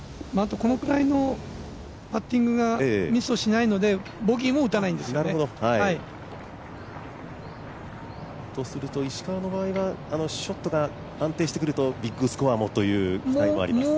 このくらいのパッティングがミスをしないので、ボギーも打たないんですよね。とすると石川の場合はショットが安定してくるとビッグスコアもという期待はあります。